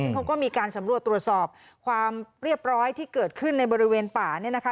เขาก็มีการสำรวจตรวจสอบความเรียบร้อยที่เกิดขึ้นในบริเวณป่าเนี่ยนะคะ